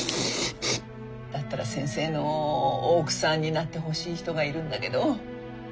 だったら先生の奥さんになってほしい人がいるんだけど。